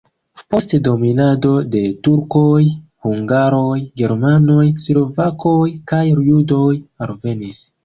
Post dominado de turkoj hungaroj, germanoj, slovakoj kaj judoj alvenis.